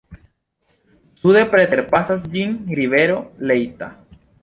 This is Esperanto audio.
Sude preterpasas ĝin rivero Leitha.